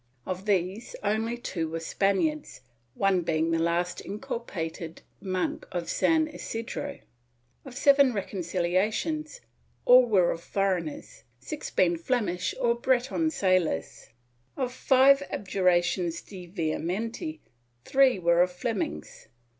Of these only two were Spaniards, one being the last inculpated monk of San Isidro. Of seven reconciliations, all were of foreigners, six being Flemish or Breton sailors. Of five abjura tions de vehementi, three were of Flemings.